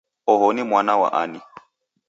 Oho ni mwana wa ani?